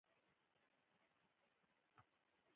نجلۍ کېناسته.